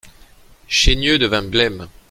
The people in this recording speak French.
Chaigneux devint blême.